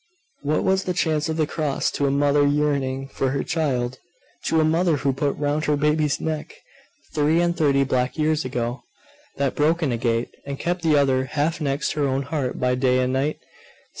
What was the chance of the cross to a mother yearning for her child? to a mother who put round her baby's neck, three and thirty black years ago, that broken agate, and kept the other half next her own heart by day and night?